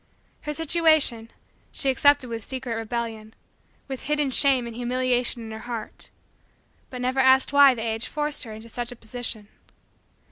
Her situation, she accepted with secret rebellion, with hidden shame and humiliation in her heart, but never asked why the age forced her into such a position.